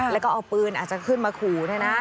แล้วก็เอาปืนอาจจะขึ้นมาขู่เนี่ยนะ